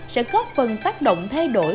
sẽ có phần tác động thay đổi